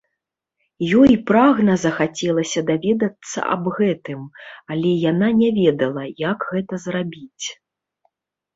Ёй прагна захацелася даведацца аб гэтым, але яна не ведала, як гэта зрабіць.